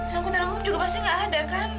langkutanmu juga pasti nggak ada kan